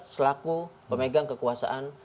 selaku pemegang kekuasaan